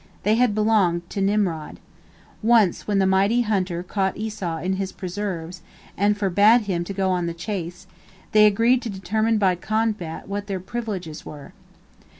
They had belonged to Nimrod. Once when the mighty hunter caught Esau in his preserves, and forbade him to go on the chase, they agreed to determine by combat what their privileges were.